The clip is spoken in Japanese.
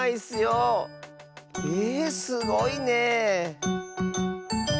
えすごいねえ。